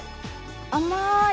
甘い！